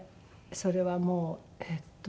それはもうえっと